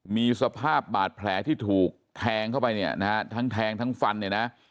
มีสภาพบาดแผลที่ถูกแทงเข้าไปทั้งแทงทั้งฟันนะครับ